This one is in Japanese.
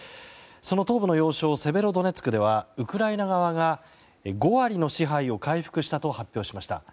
その東部の要衝セベロドネツクではウクライナ側が５割の支配を回復したと発表しました。